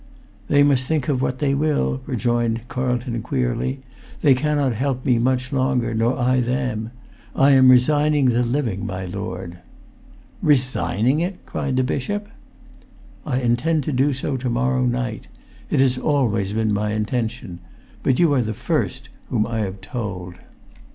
"They must think of what they will," rejoined Carlton, queerly. "They cannot help me much longer, nor I them. I am resigning the living, my lord." "Resigning it?" cried the bishop. "I intend to do so to morrow night. It always has been my intention. But you are the first whom I have told."